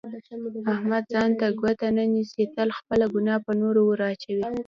احمد ځان ته ګوته نه نیسي، تل خپله ګناه په نورو ور اچوي.